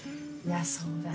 そうだね。